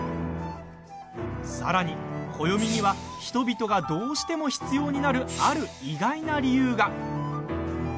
さらに、暦には人々がどうしても必要になるある意外な理由が。